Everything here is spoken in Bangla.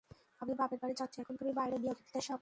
আমি বাপের বাড়ি যাচ্ছি এখন তুমি বাইরে গিয়ে অতিথিদের সামলাও।